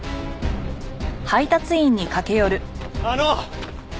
あの！